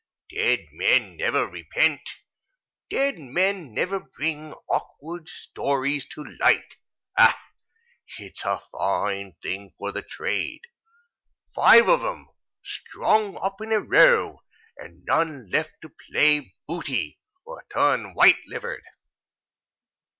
Dead men never repent; dead men never bring awkward stories to light. Ah, it's a fine thing for the trade! Five of 'em strung up in a row, and none left to play booty, or turn white livered!"